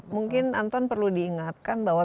mungkin anton perlu diingatkan bahwa